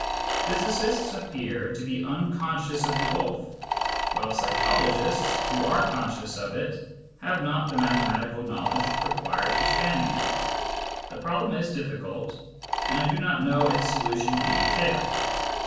Physicists appear to be unconscious of the gulf, while psychologists, who are conscious of it, have not the mathematical know ledge required for spanning it. The problem is difficult, and I do not know its solution in detail.